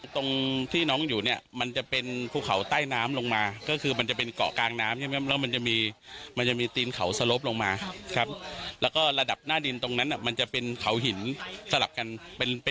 ตรงที่น้องอยู่มันก็เป็นเหมือนเป็นแอ่งครับนิดหนึ่งครับผม